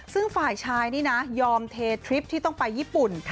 ซึ่งฝ่ายชายนี่นะยอมเททริปที่ต้องไปญี่ปุ่น